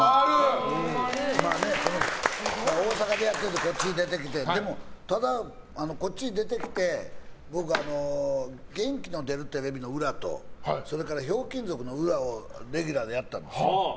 大阪でやっててこっち出てきてでもただ、こっちに出てきて僕、「元気の出るテレビ」の裏とそれから「ひょうきん族」の裏をレギュラーでやっていたんですよ。